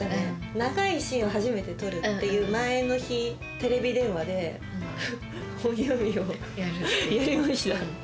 長いシーンを初めて撮るっていう前の日テレビ電話で本読みをやりました。